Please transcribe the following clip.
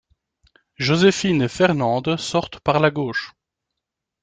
Joséphine et Fernande sortent par la gauche.